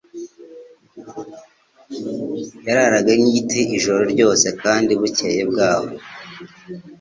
yararaga nk'igiti ijoro ryose kandi bukeye bwaho.